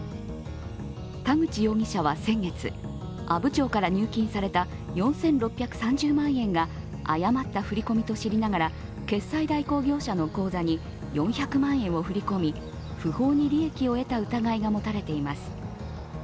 田口容疑者は先月、阿武町から入金された４６３０万円が誤った振り込みと知りながら、決済代行業者の口座に４００万円を振り込み不法に利益を得た疑いが持たれています。